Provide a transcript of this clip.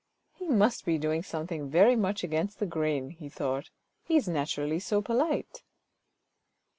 " He must be doing something very much against the grain," he thought ;" he is naturally so polite."